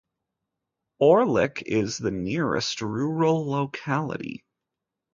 Orlik is the nearest rural locality.